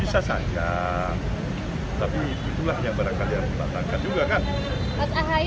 bisa saja tapi itulah yang barangkali harus dibatalkan juga kan